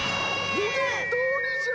よげんどおりじゃ！